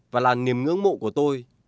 và là niềm ước mộ của tôi